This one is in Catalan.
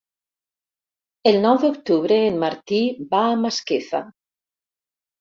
El nou d'octubre en Martí va a Masquefa.